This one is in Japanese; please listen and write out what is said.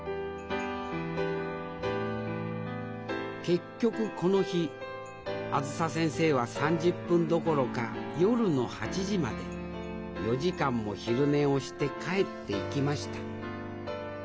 結局この日あづさ先生は３０分どころか夜の８時まで４時間も昼寝をして帰っていきました。